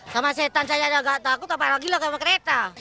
sama setan saya gak ada takut apa lagi lah sama kereta